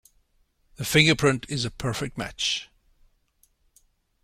The fingerprint is a perfect match.